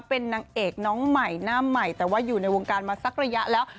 เป็นนางเอกน้องใหม่หน้าใหม่แต่ว่าอยู่ในวงการมาสักระยะแล้ว